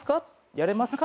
やれますか？